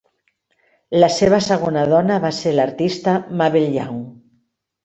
La seva segona dona va ser l'artista Mabel Young.